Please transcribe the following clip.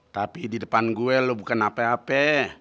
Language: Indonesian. tapi di depan gue lo bukan apa apa